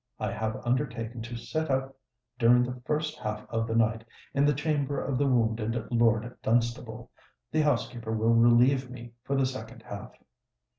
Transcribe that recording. I have undertaken to sit up during the first half of the night, in the chamber of the wounded Lord Dunstable. The housekeeper will relieve me for the second half."